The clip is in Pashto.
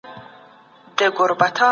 د نفوس د لوړي کچي د مشکلاتو زال نسي.